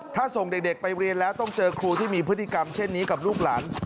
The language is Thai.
ถ้าส่งเด็กไปเรียนแล้วต้องเจอครูที่มีพฤติกรรมเช่นนี้กับลูกหลาน